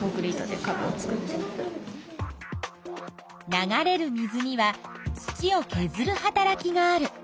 流れる水には土をけずるはたらきがある。